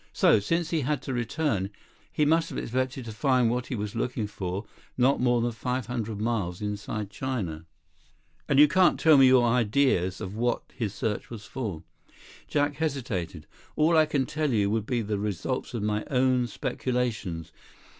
So, since he had to return, he must have expected to find what he was looking for not more than five hundred miles inside China." "And you can't tell me your ideas of what his search was for?" Jack hesitated. "All I could tell you would be the results of my own speculations.